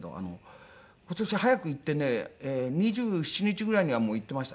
「今年早く行ってね２７日ぐらいには行ってました」。